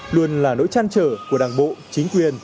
luôn là nỗi trăn trở của đảng bộ chính quyền